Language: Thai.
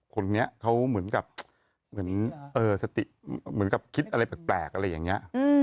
คนนี้เขาเหมือนกับเหมือนสติเหมือนกับคิดอะไรแปลกอะไรอย่างนี้